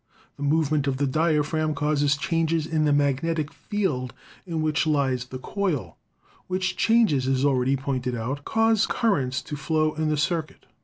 The movement of the dia phragm causes changes in the magnetic field in which lies the coil, which changes, as already pointed out, cause cur rents to flow in the circuit.